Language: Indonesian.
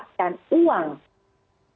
misalnya anda menemukan uang